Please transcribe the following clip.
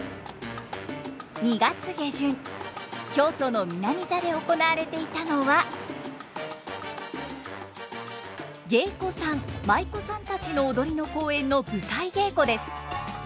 ２月下旬京都の南座で行われていたのは芸妓さん舞妓さんたちの踊りの公演の舞台稽古です。